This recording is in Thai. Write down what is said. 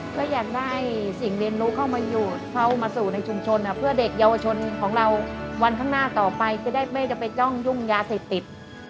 ก็อยากได้สิ่งเรียนรู้เข้ามาอยู่เข้ามาสู่ในชุมชนเพื่อเด็กเยาวชนของเราวันข้างหน้าต่อไปจะได้ไม่จะไปจ้องยุ่งยาเสพติด